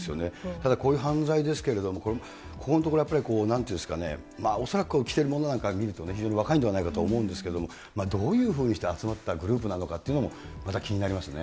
ただこういう犯罪ですけれども、ここのところ、やっぱりなんていうんですかね、恐らく着てるものなんか見ると、非常に若いんではないかと思うんですけれども、どういうふうにして集まったグループなのかっていうのも、また気になりますよね。